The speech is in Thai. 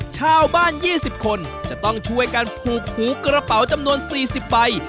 ชาวบ้าน๒๐คนจะต้องช่วยกันผูกหูกระเป๋าจำนวน๔๐ใบ